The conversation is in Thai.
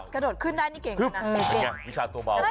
ยังไงวิชานตัวเบา